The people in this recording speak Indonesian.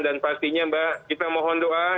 dan pastinya mbak kita mohon doa